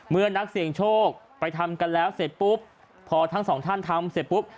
นักเสี่ยงโชคไปทำกันแล้วเสร็จปุ๊บพอทั้งสองท่านทำเสร็จปุ๊บ